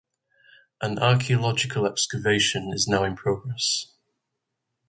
An archaeological excavation is now in progress.